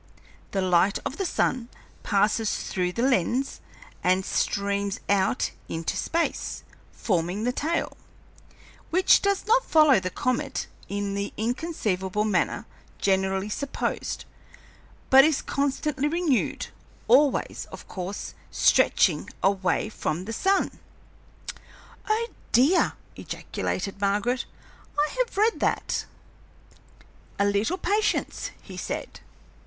The light of the sun passes through the lens and streams out into space, forming the tail, which does not follow the comet in the inconceivable manner generally supposed, but is constantly renewed, always, of course; stretching away from the sun!" "Oh, dear!" ejaculated Margaret. "I have read that." "A little patience," he said.